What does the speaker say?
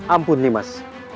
ampun nih mas